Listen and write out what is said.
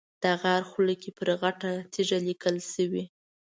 د غار خوله کې پر غټه تیږه لیکل شوي.